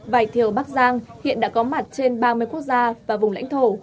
vải thiều bắc giang hiện đã có mặt trên ba mươi quốc gia và vùng lãnh thổ